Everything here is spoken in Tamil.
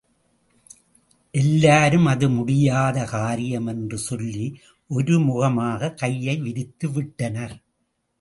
எல்லாரும் அது முடியாத காரியம் என்று சொல்லி ஒருமுகமாக கையை விரித்துவிட்டனர்.